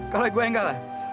kalau gue yang kalah